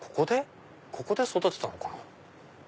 ここで育てたのかな？